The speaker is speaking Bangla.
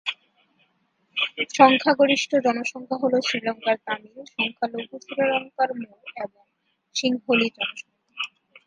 সংখ্যাগরিষ্ঠ জনসংখ্যা হল শ্রীলঙ্কার তামিল, সংখ্যালঘু শ্রীলঙ্কার মুর এবং সিংহলি জনসংখ্যা।